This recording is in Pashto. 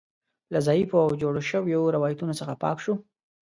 له ضعیفو او جوړو شویو روایتونو څخه پاک شو.